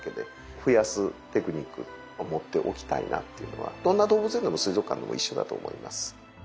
増やすテクニックを持っておきたいなっていうのはどんな動物園でも水族館でも一緒だと思います。